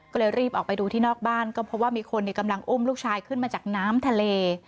ก็เลยรีบออกไปดูที่นอกบ้านก็เพราะว่ามีคนกำลังอุ้มลูกชายขึ้นมาจากน้ำทะเล